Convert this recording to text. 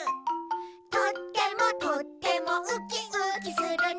「とってもとってもウッキウキするね」